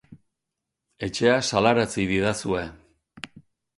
Etxea salarazi didazue.